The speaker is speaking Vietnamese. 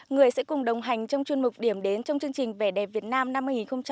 người sẽ cùng đồng hành trong chương mục điểm đến trong chương trình vẻ đẹp việt nam năm hai nghìn một mươi tám